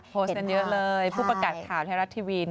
โพสต์กันเยอะเลยผู้ประกาศข่าวไทยรัฐทีวี